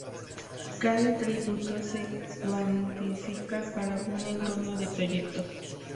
Cada atributo se cuantifica para un entorno de proyecto.